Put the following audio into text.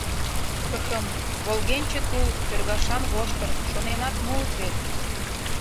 Кхм, «волгенче тул», «кӧргашан воштыр» — шоненат муыт вет!..